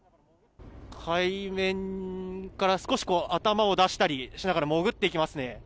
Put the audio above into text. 海面から少し頭を出したりしながら潜っていきますね。